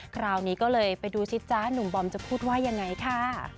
คราวนี้ก็เลยไปดูสิจ๊ะหนุ่มบอมจะพูดว่ายังไงค่ะ